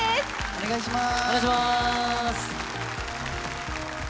お願いします。